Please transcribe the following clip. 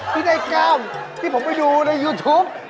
ที่ได้แก้มที่ผมไปดูในยูทูป